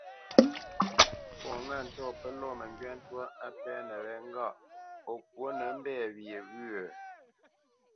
Fɔ ŋâ ntɔ̂ pə́ lɔ̂ məngywá ntwá á pɛ́nə wé ŋgâʼ o ŋkwǒ nə mbɛ̂ wye wyə̂?